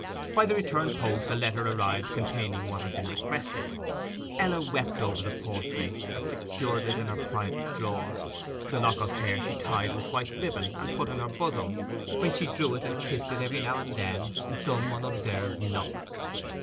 By the return post a letter arrived containing what had been requested. Ella wept over the portrait and secured it in her private drawer; the lock of hair she tied with white ribbon and put in her bosom, whence she drew it and kissed it every now and then in some unobserved nook.